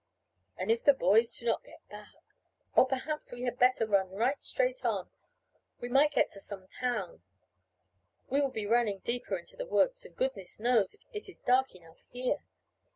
"And if the boys do not get back Oh, perhaps we had better run right straight on. We may get to some town " "We would be running into a deeper woods, and goodness knows, it is dark enough here.